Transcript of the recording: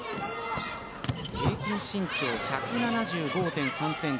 平均身長１７５．３ｃｍ。